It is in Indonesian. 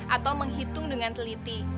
atau menghitung dengan teliti